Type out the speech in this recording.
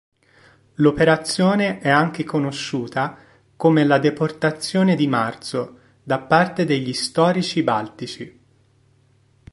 L'operazione è anche conosciuta come la deportazione di marzo da parte degli storici baltici.